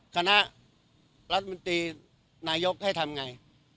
คณะรัฐมนตรีนายกให้ทำไง